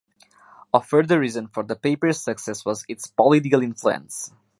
A further reason for the paper's success was its political influence.